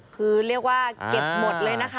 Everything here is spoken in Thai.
คือเรียกว่าเก็บหมดเลยนะคะ